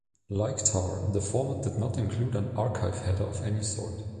Like tar, the format did not include an archive header of any sort.